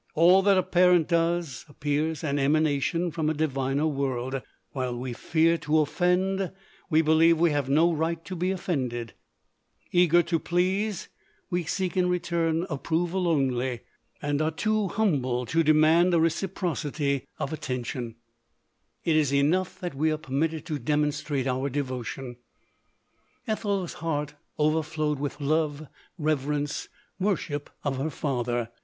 All that a parent does, appears an emanation from a diviner world ; while we fear to offend, we believe we have no right to be offended ; eager to please, we seek in return approval only, and are too humble to demand a reciprocity of at LODORE. 237 tention ; it is enough that we are permitted to demonstrate our devotion. Ethel's heart over flowed with love, reverence, worship of her father.